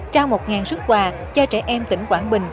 trao một xuất quà cho trẻ em tỉnh quảng bình